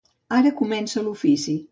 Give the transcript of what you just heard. Ara comença l'ofici.